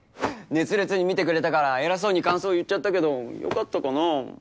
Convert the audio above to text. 熱烈に見てくれたから偉そうに感想言っちゃったけどよかったかな？